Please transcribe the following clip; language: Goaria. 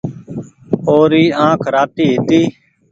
او ري آنک راتي هيتي